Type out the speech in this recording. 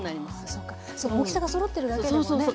そうか大きさがそろってるだけでもね。